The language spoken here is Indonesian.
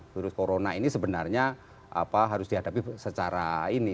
virus corona ini sebenarnya harus dihadapi secara ini